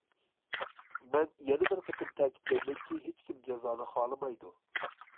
مەن يەنە بىر قېتىم تەكىتلەيمەنكى ھېچكىم جازانى خالىمايدۇ.